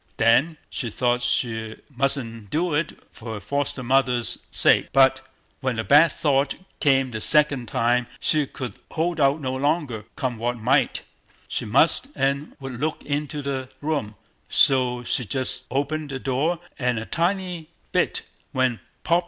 Then she thought she mustn't do it for her foster mother's sake; but when the bad thought came the second time she could hold out no longer; come what might, she must and would look into the room; so she just opened the door a tiny bit, when—POP!